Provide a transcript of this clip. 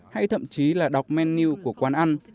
hay thậm chí là đọc menu của quán ăn